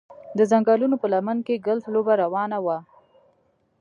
د ځنګلونو په لمنه کې ګلف لوبه روانه وه